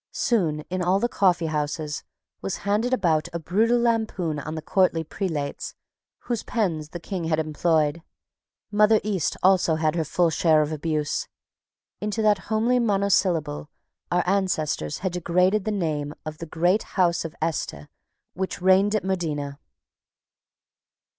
Soon in all the coffeehouses was handed about a brutal lampoon on the courtly prelates whose pens the King had employed. Mother East had also her full share of abuse. Into that homely monosyllable our ancestors had degraded the name of the great house of Este which reigned at Modena.